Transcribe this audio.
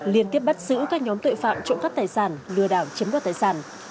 liên tiếp bắt giữ các nhóm tội phạm trộm cắp tài sản lừa đảo chiếm đoạt tài sản